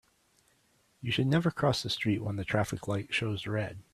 You should never cross the street when the traffic light shows red.